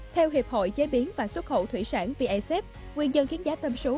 theo hiệp hội chế biến và xuất khẩu thủy sản vasf nguyên dân khiến giá tâm số